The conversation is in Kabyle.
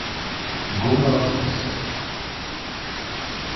Ggumaɣ ad xellṣeɣ.